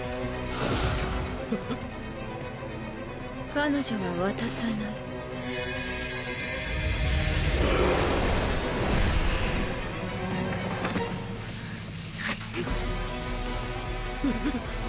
彼女は渡さないくっ